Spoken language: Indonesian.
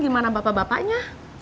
suster sebelah mana